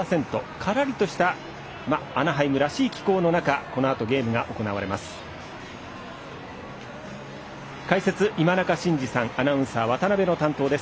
からりとしたアナハイムらしい気候の中このあとゲームが行われます。